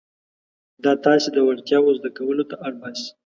دا تاسې د وړتیاوو زده کولو ته اړ باسي.